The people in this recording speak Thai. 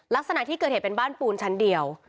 ลักษณะที่เกิดเหตุเป็นบ้านปูนชั้นเดียว